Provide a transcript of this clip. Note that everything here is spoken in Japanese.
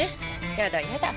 やだやだ。